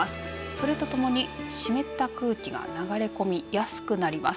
それとともに湿った空気が流れ込みやすくなります。